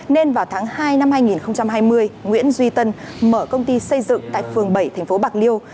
nên vào tháng hai năm hai nghìn hai mươi nguyễn duy tân mở công ty xây dựng tại phường bảy tp bạc liêu